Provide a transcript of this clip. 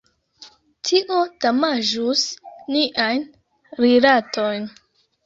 Tio damaĝus niajn rilatojn.